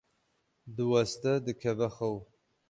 diweste dikeve xew.